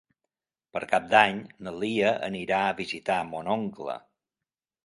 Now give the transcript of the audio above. Per Cap d'Any na Lia anirà a visitar mon oncle.